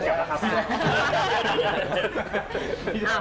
เก็บแล้วครับ